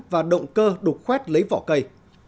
và động cơ đục khuét lấy vỏ cây